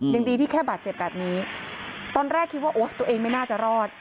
ยังดีที่แค่บาดเจ็บแบบนี้ตอนแรกคิดว่าโอ๊ยตัวเองไม่น่าจะรอด